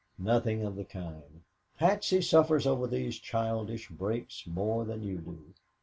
"Nothing of the kind. Patsy suffers over these childish breaks more than you do.